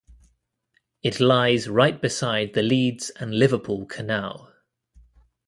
It lies right beside the Leeds and Liverpool Canal.